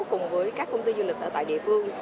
cùng với các công ty du lịch ở tại địa phương